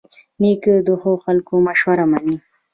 نیکه د ښو خلکو مشوره منې.